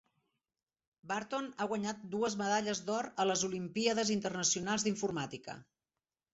Barton ha guanyat dues medalles d'or a les Olimpíades internacionals d'informàtica.